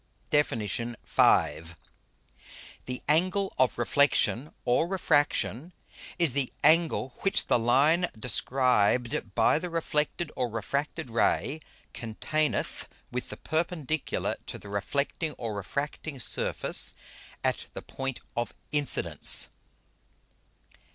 _ DEFIN. V. _The Angle of Reflexion or Refraction, is the Angle which the line described by the reflected or refracted Ray containeth with the Perpendicular to the reflecting or refracting Surface at the Point of Incidence.